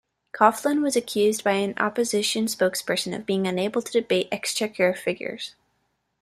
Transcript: Coughlan was accused by an opposition spokesperson of being unable to debate exchequer figures.